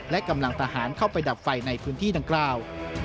และกำลังทหารเข้าไปดับไฟในพื้นที่ดังกล่าว